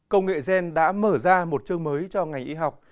công nghệ gen đã mở ra một chương mới cho ngành y học